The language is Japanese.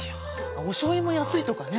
おしょうゆも安いとかね。